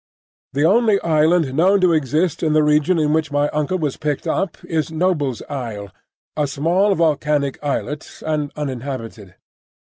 The only island known to exist in the region in which my uncle was picked up is Noble's Isle, a small volcanic islet and uninhabited.